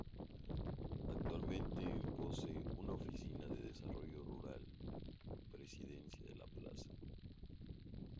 Actualmente en posee una Oficina de Desarrollo Rural Presidencia de la Plaza.